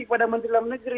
kepada menteri dalam negeri